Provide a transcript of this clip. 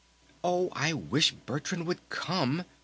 "Oh, I wish Bertrand would come!"